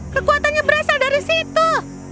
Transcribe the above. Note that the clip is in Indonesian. kekuatannya berasal dari situ